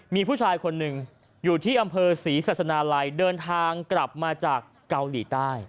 มีผู้ชายคนหนึ่งอยู่ที่อำเภอศรีศาสนาลัยเดินทางกลับมาจากเกาหลีใต้